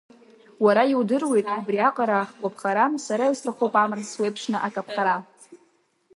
Уара иудыруеит, убри аҟара ахгәарԥхара, сара исҭахуп амра суеиԥшны акаԥхара.